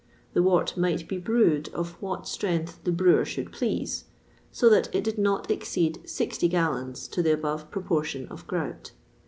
The wort might be brewed of what strength the brewer should please, so that it did not exceed sixty gallons to the above proportion of grout.